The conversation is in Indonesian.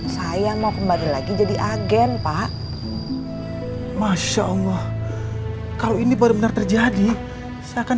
saya mau kembali lagi jadi agen pak masya allah kalau ini benar benar terjadi saya akan